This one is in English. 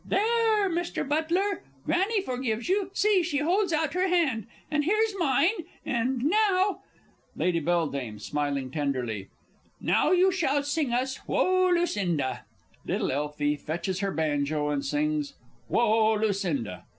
There, Mr. Butler, Granny forgives you see, she holds out her hand, and here's mine; and now Lady B. (smiling tenderly). Now you shall sing us "Woa, Lucinda!" [Little ELFIE _fetches her banjo, and sings, "Woa, Lucinda!"